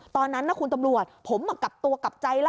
ตอนนั้นนะคุณตำรวจผมกลับตัวกลับใจแล้ว